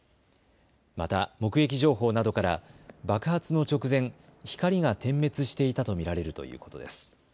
また目撃情報などから爆発の直前、光が点滅していたと見られるということです。